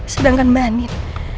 sedangkan mbak andin